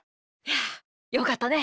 よかったね。